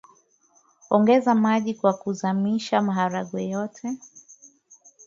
ongeza maji kwa kuzamisha maharage yote